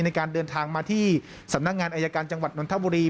ในการเดินทางมาที่สำนักงานอายการจังหวัดนนทบุรี